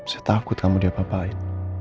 saya takut kamu diapa apain